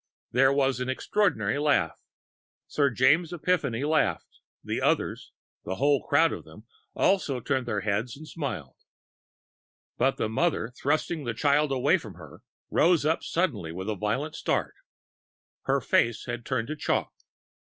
There was an extraordinary laugh. Sir James Epiphany laughed. The others the whole crowd of them also turned their heads and smiled. But the mother, thrusting the child away from her, rose up suddenly with a violent start. Her face had turned to chalk.